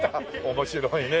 面白いね。